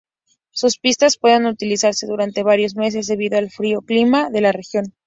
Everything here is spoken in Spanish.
Sus pistas pueden utilizarse durante varios meses debido al frío clima de la región.